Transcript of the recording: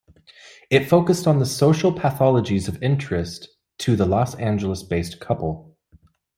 It focused on the social pathologies of interest to the Los Angeles-based couple.